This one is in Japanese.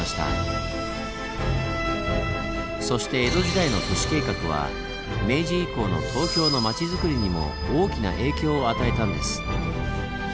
そして江戸時代の都市計画は明治以降の東京の町づくりにも大きな影響を与えたんです。